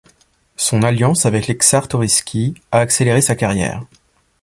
Son alliance avec les Czartoryski a accéléré sa carrière.